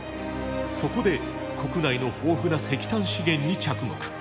そこで国内の豊富な石炭資源に着目。